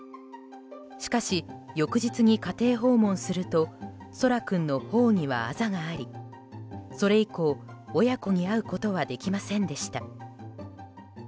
しかし、翌日に家庭訪問すると空来君の頬には、あざがありそれ以降、親子に会うことはできませんでした。